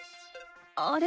あれ？